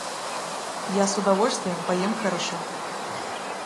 Я с удовольствием поем хорошо.